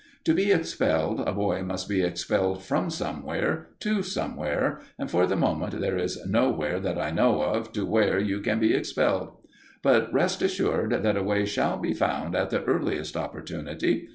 To be expelled, a boy must be expelled from somewhere to somewhere, and for the moment there is nowhere that I know of to where you can be expelled. But rest assured that a way shall be found at the earliest opportunity.